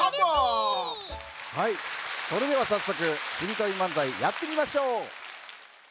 はいそれではさっそくしりとりまんざいやってみましょう！